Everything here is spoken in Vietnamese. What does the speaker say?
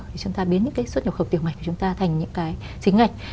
để chúng ta biến những cái xuất nhập khẩu tiểu ngạch của chúng ta thành những cái chính ngạch